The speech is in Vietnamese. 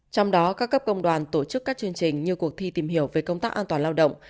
trong đó các cấp công đoàn tổ chức các chương trình như cuộc thi tìm hiểu về công tác an toàn lao động